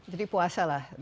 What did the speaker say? jadi puasa lah